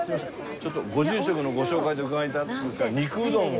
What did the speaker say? ちょっとご住職のご紹介で伺ったんですが肉うどんを。